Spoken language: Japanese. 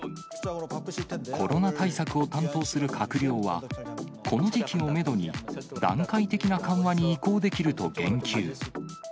コロナ対策を担当する閣僚は、この時期をメドに、段階的な緩和に移行できると言及。